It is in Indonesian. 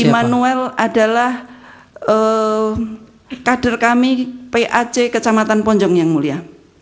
emanuel adalah kader kami pac kecamatan ponjong yang mulia